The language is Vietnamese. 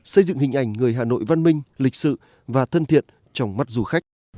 xây dựng hình ảnh người hà nội văn minh lịch sự và thân thiện trong mắt du khách